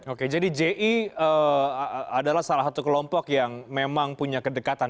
oke jadi ji adalah salah satu kelompok yang memang punya kedekatan